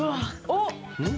おっ！